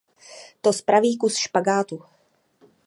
To spraví kus špagátu.